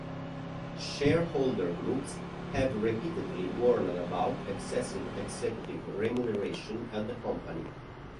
Shareholder groups have repeatedly warned about excessive executive remuneration at the company.